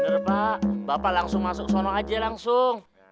bener pak bapak langsung masuk ke sana aja langsung